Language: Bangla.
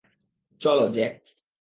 চলো, জ্যাক।